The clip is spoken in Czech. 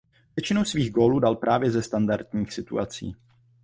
Většinu svých gólů dal právě ze standardních situací.